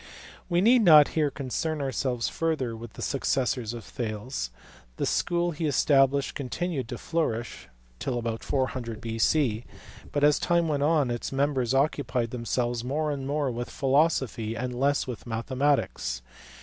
We need not here concern ourselves further with the successors of Thales. The school he established continued to flourish till about 400 B.C., but, as time went on, its members occupied themselves more and more with philosophy and less with mathematics.